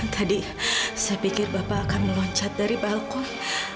tadi saya pikir bapak akan meloncat dari balkon